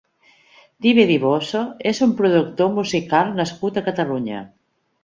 Dive Dibosso és un productor musical nascut a Catalunya.